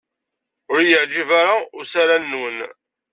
Ur iyi-yeɛjib ara usaran-nwen.